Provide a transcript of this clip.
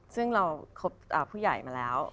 ซึ่งเราคบผู้ใหญ่มาแล้ว